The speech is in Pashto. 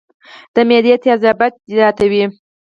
د معدې تېزابيت زياتوي